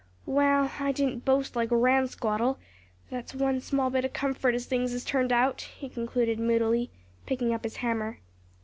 "Well, I didn't boast like Ransquattle; that's one small bit o' comfort as things has turned out," he concluded moodily, picking up his hammer.